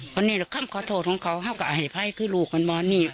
คนนี้ก็ข้ามขอโทษของเขาเข้ากับอาหิภัยคือลูกมันบอกนี่